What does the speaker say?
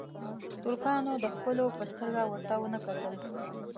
ترکانو د خپلو په سترګه ورته نه کتل.